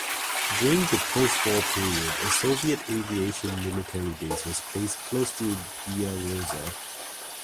During the postwar period a Soviet aviation military base was placed close to Byaroza.